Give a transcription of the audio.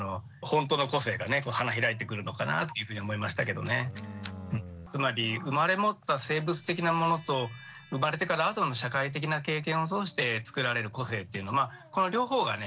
これからつまり生まれ持った生物的なものと生まれてからあとの社会的な経験を通して作られる個性っていうのこの両方がね